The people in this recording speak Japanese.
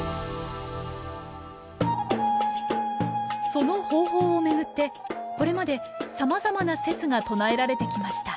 その方法をめぐってこれまでさまざまな説が唱えられてきました。